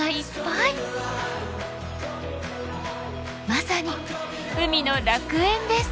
まさに海の楽園です。